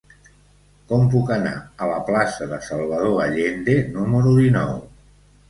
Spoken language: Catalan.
Com puc anar a la plaça de Salvador Allende número dinou?